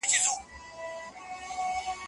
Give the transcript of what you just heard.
حرام خواړه د زړه د توروالي سبب کیږي.